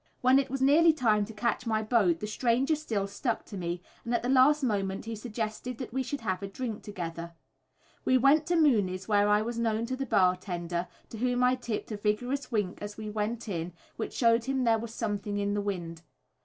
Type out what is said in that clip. When it was nearly time to catch my boat the stranger still stuck to me, and at the last moment he suggested that we should have a drink together. We went to Mooney's, where I was known to the bar tender, to whom I tipped a vigorous wink as we went in, which showed him there was something in the wind.